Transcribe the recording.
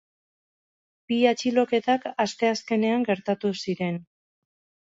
Bi atxiloketak asteazkenean gertatu ziren.